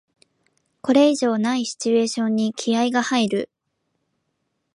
これ以上ないシチュエーションに気合いが入る